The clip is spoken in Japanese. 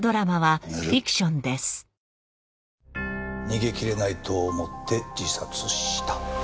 逃げきれないと思って自殺した。